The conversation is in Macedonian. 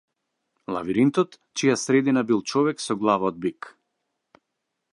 Лавиринтот чија средина бил човек со глава од бик.